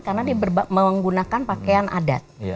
karena dia menggunakan pakaian adat